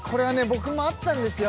僕もあったんですよ